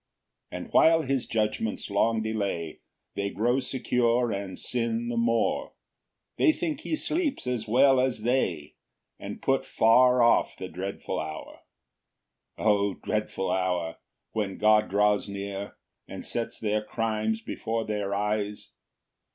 5 And while his judgments long delay, They grow secure and sin the more; They think he sleeps as well as they, And put far off the dreadful hour. 6 O dreadful hour! when God draws near, And sets their crimes before their eyes!